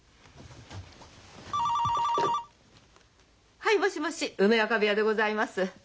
☎はいもしもし梅若部屋でございます。